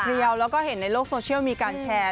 แล้วก็เห็นในโลกโซเชียลมีการแชร์